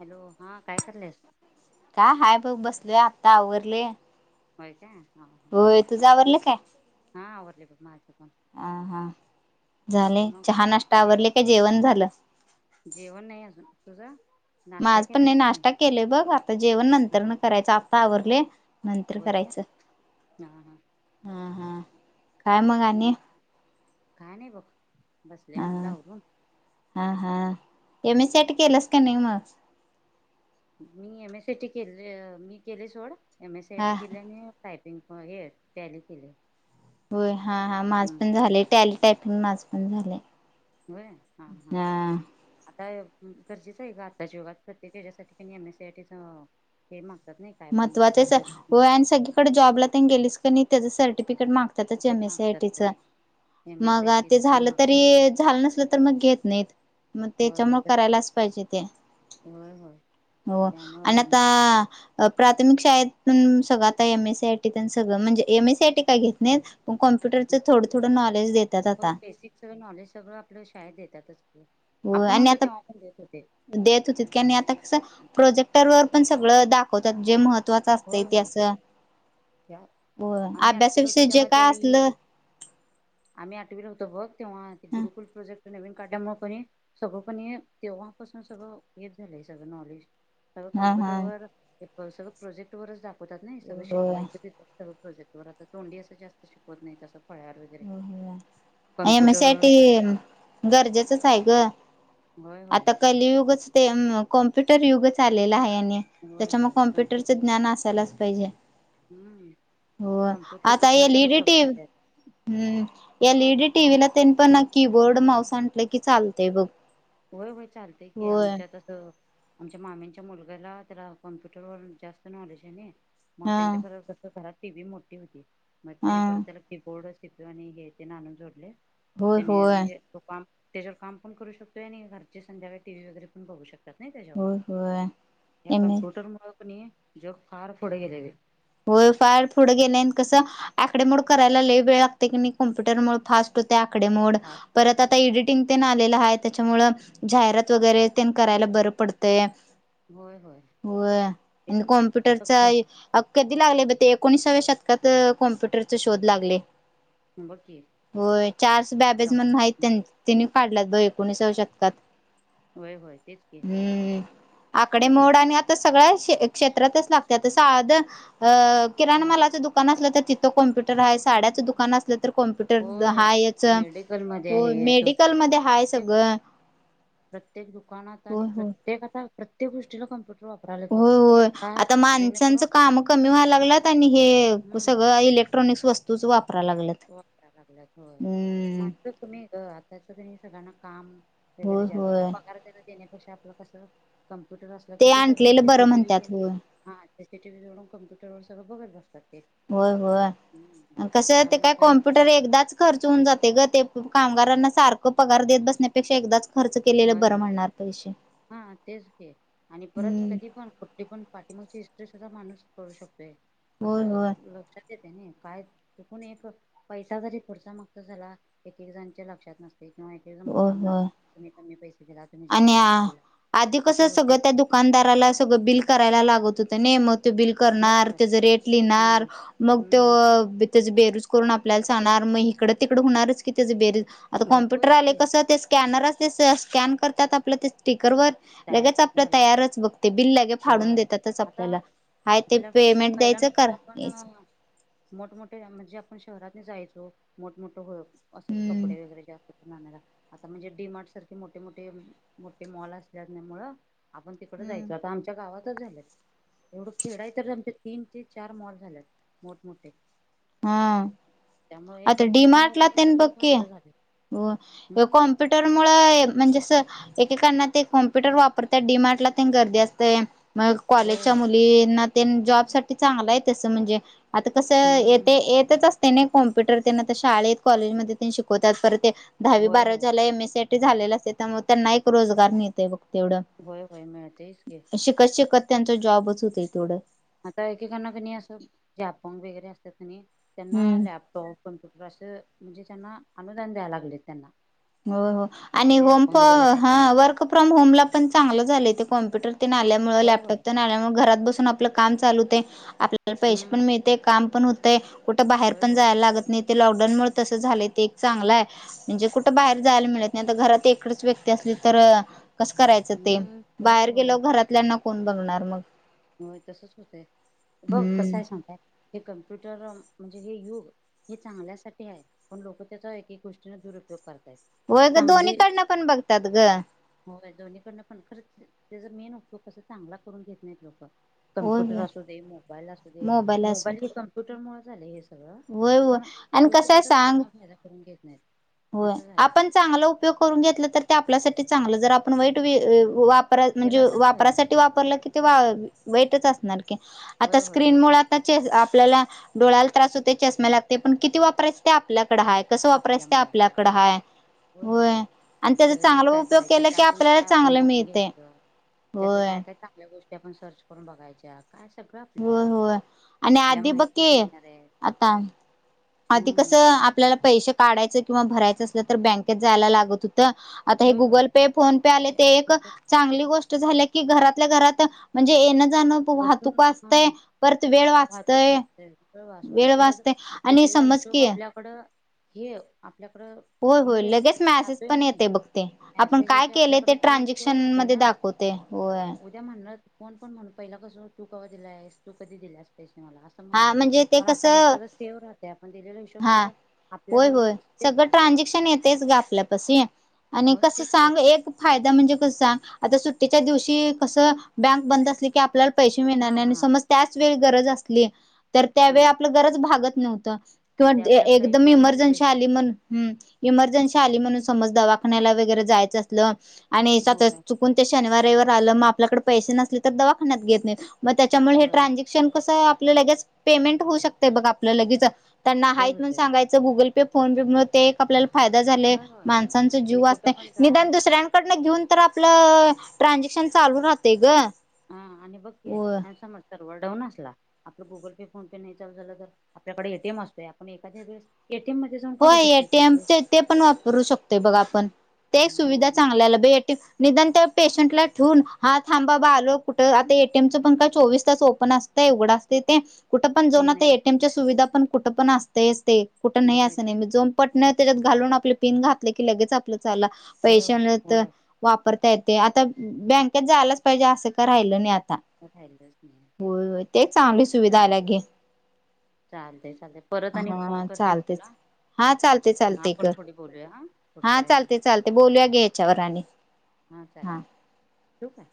Hello हा काय करलेस काय हाय बघ बसले आता आवरलयं होय काय. हा हा होय. तूझं आवरलं काय? झालं बघ माझं. पण हा हा आणि काय झाले मग चहा नाष्ट जेव आवरले का जेवण झालं? जेवण नाही अजून. तुझं? नाश्ता माझ पण केलाय नाही ना मी नाश्ता केलोय बघ आता जेवण हा नंतर न करायच आता आवरलयं नंतर होय का करायचं हा हा हा. काय मग हम. आणि काय नाही बघ. बसले हा म्हटलं आवरून. हा हा M. S. C. I. T ते केलंस का नाही मग.? मी एम. एस. सी. आय. केले मी केले सोड. एम. एस. सी. आय. हा टी केल्या आणि टाईप पिंक हे टॅली केल्या. होय हा हा माझ पण झालंय टॅली, टायपिंग माझ पण झालंय. होय हा. हा. आता गरजेचं आहे गं आताच्या युगात प्रत्येक हेच्यासाठी कणी M. S. C. I. T च हे माग. महत्वाचं आहे आणि हो सगळीकडे जॉबलातेन गेलीस कणी नाही त्याच सर्टिफि फिकट मागतातच एम. एस. सी. आय. मागतात टी. च. होय एम ए मग साठी ते झालं तरी झालं नसलं तर मग ते घेत नाहीत. मग होय होय तेच्यामुळं तस करायलाच पाहिजे ते. होय होय हो आणि त्यामुळं आता. प्राथमिक शाळेत पण सगळं आता. M. S. C. I. T. तेन सगळं म्हणजे M. S. C. I. T. काय घेत नाहीत. पण कॉम्प्युटरचं हो थोडं थोडं नॉलेज देतात आता बेसिक सगळ नॉलेज सगळं आपल्या शाळेत देतातच. हो आपण आणि होतो आता तेव्हा पण देत होते देत होतीत. की आणि आता कस प्रोजेक्टर वर. पण सगळं दाखवतात. जे महत्त्वाचं असतंय होय ते होय असं. त्या हो आम्ही आठवीला होतो अभ्यासाविषय जे तेव्हा काय असल. त्यावेळी आम्ही आठवीला होतो बघ. तेव्हा ते गुरुकुल प्रोजेक्ट. नवीन काढल्यामुळे कणी सगळं कणी तेव्हापासून सगळं हेच झालंय सगळं नॉलेज. सगळं हा हा कॉम्प्युटरवर सगळं प्रोजेक्ट वरच दाखवतात. नाही सगळं होय शिकवायचं तिथच. प्रोजेक्टवर आता तोंडी असं जास्त शिकवत नाही असं. हो हो एम. एस. सी. आय. कम्प्युटरवर टी. सगळं गरजेचंच आहे गं. होय होय आता कलियुगच ते. कॉम्प्युटर युगच आलेल आहे. होय त्याच्यामुळे होय कम्प्युटर ज्ञान असायलाच पाहिजे. हम्म हो कॉम्प्युटर आता शिकलं एल तरच ईडी सगळं टीव्ही येत आता हम्म एल. ई. डी. हम्म, टीव्ही ला त्यांन पण कीबोर्ड, माऊस अणल की चालतय बघ होय होय चालतेय की होय आमच्यातसं आमच्या मामीच्या मुलग्याला त्याला कॉम्प्युटरवर जास्त नॉलेज आहे नी मग हा त्यांच्याकड कसं घरात टीव्ही मोठी होती मग हा त्यानी परत त्याला कीबोर्ड सीपीयू आणि हे तेन आणुन जोडलयं होय तेनंय होय म्हणजे तो काम त्याच्यावर काम पण करू शकतो आणि घरची संध्याकाळी टीव्ही वगैरे पण बघू शकतात नाही त्याच्यावर होय होय या एम ए कॉम्प्युटर मुळ जग फार पुढे गेलेले आहेत होय फार पुढे गेलंय आणि कसं आकडेमोड करायला लई वेळ लागते की नाही कॉम्प्युटरमुळे फास्ट होते आकडेमोड फास्ट परत झालंय. आता इडिटिंग तेन आलेलं हाय त्याच्या त्यामुळ जाहिरात वगैरे तेन करायला बरं पडतय होय होय होय तेच आणि की आता कॉम्प्युटरचा बघ कधी ते एकोणिसाव्या शतकात कॉम्प्युटरचे शोध लागले बघ की होय चार्स बॅबेज म्हणून आहेत तेव्हा त्यां त्यांनी काढल्यात ब एकोणीसाव्या शतकात होय होय तेच की हम्म आकडे मोड आणि हम्म आता सगळ्या क्षे क्षेत्रातच लागत्यात अं साधं किराणा मालाचं दुकान असलं तर तिथं कम्प्युटर आहे साड्याच दुकान अस तर कॉम्प्युटर होय हायच मेडिकलमध्ये हो आहे तो मेडिकलमध्ये हाय ते सगळं प्रत्येक दुकानात आणि होय होय प्रत्येक आता प्रत्येक गोष्टीला कॉम्पुटर होय होय आता जेणेकरून माणसांचं काम कमी व्हाय लागल्यात आणि हे हम्म सगळं इलेक्ट्र वस्तूचं वाप वापरा लागल्यात होय हम्म मानस कमी आहे ग आता कणी सगळ्यांना काम वगैरे होय जास्त होय पगार त्याला देण्यापेक्षा आपलं कसं कम्प्युटर असलं कि ते सगळं आणलेलं बरं सीसीटीव्ही म्हणतात तेन होय ह ते टीव्ही जोडून कॉम्प्युटर वर सगळं बघत बसतात ते होय हम्म होय कसं हाय ते त्यामुळे काय कॉम्प्युटर एकदाच खर्च होऊन जाते ग ते कामगारांना सारखं पगार देत बसण्यापेक्षा एकदाच खर्च केलेलं होय बरं होय म्हणणार पैशे हा तेच की आणि परत हम्म कधी पण कुठे पण पाठीमागची ते सुद्धा माणूस करू शकतोय होय असं होय लक्षात येत त्या नाही काय चुकून एक पैसा जरी पुढचा मागचा झाला एकेकजणांच्या लक्षात नस एकेकजण होय मुद्दामनं होय आणि आ आधी कस असं सगळं होते त्या दुकानदाराला सगळं बिल करायला लागत नाही मग त्यो बिल होय करणार होय त्याच रेट लिहिणार हम्म मग तो हम्म त्याचं बेरिज करून आपल्याला सांगणार मग हिकडं तिकडं हुणारच की त्याचं बेरिज आता कॉम्प्युटर होयच आले की कसं ते स्कॅनरच ते कस स्कॅन करतात आपलं स्टिक ब काय लगेच आपलं झालं की तयारच बघते बिल लगे फाडून होय देतातच आता आपल्याला ह ते आपल्या पेमेंट पहिला द्यायचं कर नुसतं यायचं आपण मोठमोठे म्हणजे आपण शहरात जायचो मोठमोठ असं हम्म कपडे वगैरे जास्त आता म्हणजे डीमार्ट सारखे मोठे मोठे मोठे मॉल असल्या मुळं आपण तिकडं हम्म जायचं आता आमच्या गावात आताच झाल्यात.. एवढं खेड हाय तर आमच्यात तीन ते चार मॉल झाल्यात मोठ मोठे हा... त्यामुळे हे आता डी कम्प्युटर मुळ मार्टला हे तेन सगळ बघ की फास्ट झालंय हो हम्म कॉम्प्युटर मुळ म्हणजे अस एकेकांना ते कॉम्प्युटर वापरत्यात डीमार्ट ला तेन गर्दी असतंय मग होय कॉलेजच्या होय मुलींना तेन जॉब साठी चांगलं आहे तसं म्हणजे आता कसं येत हम्म येतच असते नाही कॉम्प्युटर तेन आता शाळेत कॉलेजमध्ये तेन शिकवत्यात परत दहावी होय बारावी होय झालंय एमएससीआयटी साठी झालेलं असतय त्यामुळं त्यांना एक रोजगार मिळतय बघ तेवढं होय होय मिळतयच की शिकत शिकत त्यांचा जॉबच होतय तेवढं आता एकेकांना कणी असं जे अपंग वगैरे असतात कणी त्यांना हम्म लॅपटॉप कम्प्युटर असं म्हणजे ज्यांना अनुदान द्यायला लागलेत त्यांना हो हो आणि जे होम अपंग वगैरे आहेत ह त्यांना वर्क फ्रॉम होम ला पण चांगलं झालंय ते कॉम्प्युटर आल्यामुळे होय होय लॅपटॉप तेन आल्यामुळे घरात बसून आपलं काम चालू होतंय आपल्याला पैसे पण हम्म मिळतय काम पण हुतंय कुठं बाहेर होय पण होय जायला लागत नाहीत ते लॉकडाऊनमुळे तस झालंय ते एक चांगलाय म्हणजे कुठ बाहेर जायला मिळत नाही आता घरात एकडच व्यक्ती असली तर कसं करायचं ते हम्म होय बाहेर गेलो घरातल्यांना कोण बघणार मग. हो तसच होतंय बघ हम्म कसय सांगताय. हे कम्प्युटर म्हणजे हे युग हे चांगल्यासाठी आहे पण लोक त्याचा एक एक गोष्टी न दुरुपयोग करतात. होय ग दोन्ही कडनं पण बघतात ग. होय दोन्हीकडनं पण खरं त्याचा मेन उपयोग कस चांगला करून घेत नाहीत लोक. होय कम्प्युटर होय असू दे मोबाईल असू दे मोबाईल नी कम्प्युटरमुळे झाले हे सगळं होय होय पण आणि लोक कसंय त्याचा सांग चांगला फायदा करून घेत नाहीत हो असं झालंय आपण चांगला उपयोग करून घेतलं तर ते आपल्यासाठी चांगलं जर आपण वाईट वे अ वा परात त्याला म्हणजे तर होय वापरासाठी वापरलं कि ते वा वाईटच असणार. होय आता होय स्क्रीन होय मुळे तस आताचे आपल्याला डोळ्याला त्रास होते चष्मा लागते पण किती वापरायच ते आपल्याकडं हाय कसं वापरायचं ते आपल्यामुळे आपल्याकडं आपल्या हाय. होय आणि त्याचा युज चांगला काय उपयोग करायचा केला की त्यातून आपल्यालाच काय आपण चांगलं बघून मिळतय. घ्यायचं त्यातलं काय काय चांगल्या गोष्टी आपण सर्च करून बघायच्या. काय सगळं आपल्यावर होय आहे होय आणि कुठल्या आधी बघ माहिती की घेणार आहे आता आधी हम्म कसं आपल्याला पैसे काढायचं किंवा भरायचं असलं तर बँकेत जायला लागत हो त आता हे होय होय गुगल पे फोन पे आले ते एक चांगली गो ष्ट झाले की घरातल्या घरात म्हणजे येणं जाण बसून वाहतूक हा वाचतय परत वेळ वाचतय. वेळ वाचतोय परत वाचतय आणि दिलेला समज हिशोब की आपल्याकड हे आपल्याकडं होय होय म्हणजे लगेच मॅसेज राहातोय पण नाही येते [unintelligible] आपल्याकडे ते सेव ट्रझेक्शन राहतय मध्ये ना दाखवते होय. उद्या म्हणणार कोण पण म्हणू पहिला कसं तू कवा दिलास तू कधी दिलासते मला असं हा म्हणलं होतं म्हणजे ते पण आता नाही कसं खरंच सेव राहते आपण दिलेला हिशोब सगळं आपल्या जवळ सेव तर ट्रांजेक्शन येतेच ग आपल्यापाशी आणि हो कसं तेच तेच सांग एक फायदा म्हणजे कसा आता सुट्टीच्या दिवशी कसं बँक बंद असली की आपल्याला पैसे मिळणार हा नाही आणि हा समज त्याच वेळी गरज असली तर त्यावेळी हा आपलं गरज भागत नव्हत मग किंवा ते आपल्याकडे एकदम एटीएम मध्ये इमर्जन्सी पैसे आली असतात. मन हुं इमर्जन्सी आली म्हणून समज दवाखान्याला वगैरे जायचं असलं आणि एखाद वेळेस होय चुकून ते शनिवारी रविवार झालं म आपल्याकडे पैसे नसले तर दवाखान्यात घेत नाहीत म त्यामुळे हे होय ट्रांजेक्शन कसं की लगेच पेमेंट होऊ शकते बघ आपलं लगेच त्यांना होतय हाईत म्हणून होतय सांगायचं गुगल पे फोन पे मग ते एक आपल्याला फायदा झाले होय होय माणसांचा जीव आणि कुठं वाचते पण जा निदान दुसऱ्यांकडनं घेऊन तर आ पलं ट्रानझॅक्शन चालू राहते ग. हा आणि बघकी होय. [unintelligible] सर्वर डाऊन असला आपल गुगल पे फोन पे नाही चालू झालं तर आपल्याकडे एटीएम असतोय आपण एखद्या वेळेस एटीएम मध्ये जाऊन काढू होय शकतोय एटीम पैसे ते ते पण वापरू शकतोय बघ आपण. ते एक सुविधा हम्म चांगल्याला [unintelligible] निदान त पेशंट ला ठेवून हा थांब बाबा आलो कुठं आता एटीएम चं पण काय चोवीस तास ओपन असतय [unintelligible] ते कुठं पण जोऊन ते आता नाही एटीएमच्या सुविधा पण कुठ पण असते असते कुठ नाही होय अस तेच नाही की जोऊन पट न त्याच्यात घालून आपली पिन घातली की लगेच आपल झालं होय पैसे हो आले तर होय वापर ता आता बँकेत जायलाच पाहिजे असं का राहिलं नाही आ ता राहिलच नाही तेच होय की होय ते चांगली सुविधा आल्या चालते घे. चालते चालत परत आणि फोन हा करते मी चालतेच. तुला. हा चालते चालते आपण कर पुढे बोलूया हा हा पुढच्या ह्याला चालते चालते बोलूया गे ह्याच्यावर आणि. हा चालेल ठेवू काय.